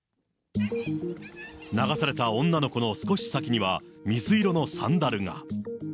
流された女の子の少し先には水色のサンダルが。